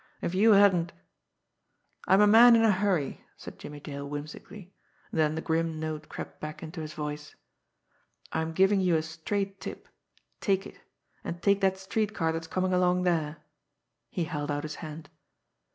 If you hadn't " "I'm a man in a hurry," said Jimmie Dale whimsically and then the grim note crept back into his voice. "I am giving you a straight tip. Take it and take that street car that's coming along there." He held out his hand.